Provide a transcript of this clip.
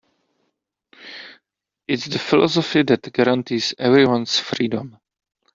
It's the philosophy that guarantees everyone's freedom.